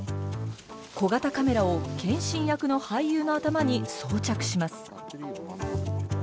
小型カメラを謙信役の俳優の頭に装着します。